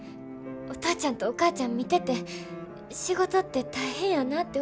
お父ちゃんとお母ちゃん見てて仕事って大変やなて思った。